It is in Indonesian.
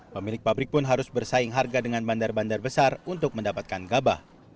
pemilik pabrik pun harus bersaing harga dengan bandar bandar besar untuk mendapatkan gabah